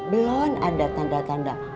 blon ada tanda tanda